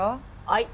はい。